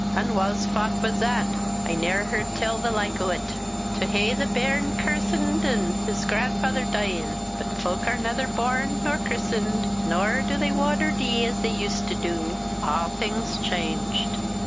"An' wha's faut was that? I ne'er heard tell the like o't; to hae the bairn kirsened an' its grandfather deein! But fowk are naither born, nor kirsened, nor do they wad or dee as they used to du awthing's changed."